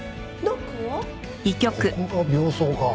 ここが病巣か。